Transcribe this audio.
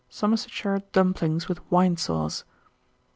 Somersetshire dumplings with wine sauce.